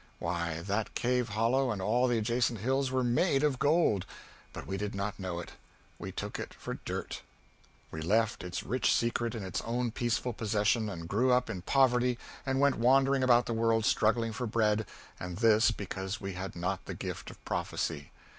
Why, that cave hollow and all the adjacent hills were made of gold! But we did not know it. We took it for dirt. We left its rich secret in its own peaceful possession and grew up in poverty and went wandering about the world struggling for bread and this because we had not the gift of prophecy.